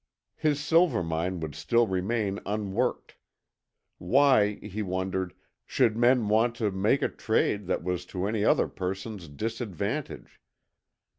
His silver mine would still remain unworked. Why, he wondered, should men want to make a trade that was to any other person's disadvantage?